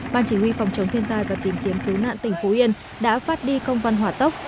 ban chỉ huy phòng chống thiên tai và tìm kiếm cứu nạn tỉnh phú yên đã phát đi công văn hỏa tốc